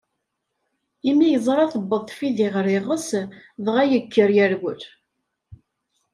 Imi yeẓra tewweḍ tfidi ɣer yiɣes, dɣa yekker yerwel.